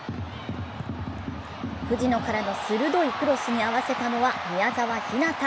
藤野からの鋭いクロスに合わせたのは、宮澤ひなた。